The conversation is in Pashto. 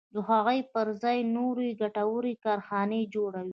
د هغو پر ځای نورې ګټورې کارخانې جوړوي.